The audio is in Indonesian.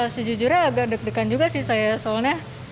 sejujurnya agak deg degan juga sih saya soalnya